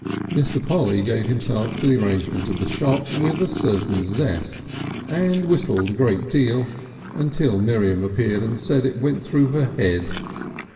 Mr. Polly gave himself to the arrangement of the shop with a certain zest, and whistled a good deal until Miriam appeared and said that it went through her head.